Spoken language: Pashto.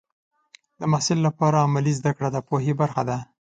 د محصل لپاره عملي زده کړه د پوهې برخه ده.